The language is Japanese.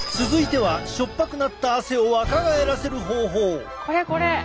続いてはこれこれ！